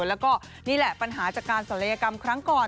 แล้วก็นี่แหละปัญหาจากการศัลยกรรมครั้งก่อน